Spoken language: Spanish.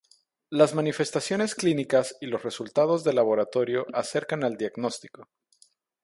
Las manifestaciones clínicas y los resultados de laboratorio acercan al diagnóstico.